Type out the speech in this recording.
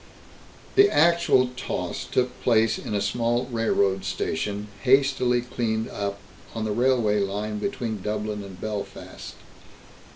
The actual toss took place in a small railroad station, hastily cleaned up, on the railway line between Dublin and Belfast.